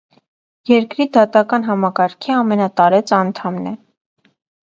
Երկրի դատական համակարգի ամենատարեց անդամն է։